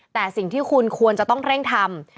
แต่สิ่งที่คุณควรจะต้องเร่งทำ